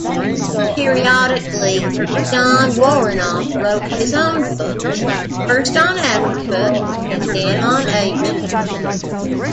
Periodically Jon Woronoff wrote his own books, first on Africa, then on Asia.